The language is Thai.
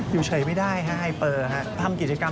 เยี่ยมใจมันเป็นกรรม